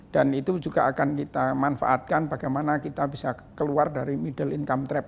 dan itu juga akan kita manfaatkan bagaimana kita bisa keluar dari middle income trap